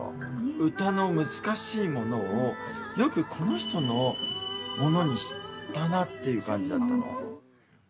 歌の難しいものをよく、この人のものにしたなっていう感じだったの。